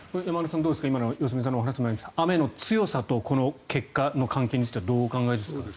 今の良純さんのお話にもありましたが雨の強さと結果の関係についてはどうお考えですか。